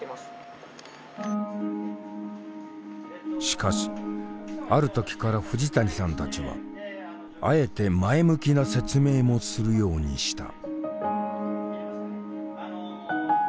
しかしある時から藤谷さんたちはあえて前向きな説明もするようにした。